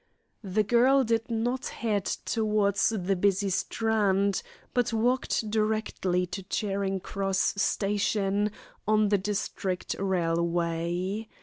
The girl did not head towards the busy Strand, but walked direct to Charing Cross station on the District Railway.